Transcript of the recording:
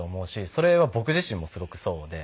それは僕自身もすごくそうで。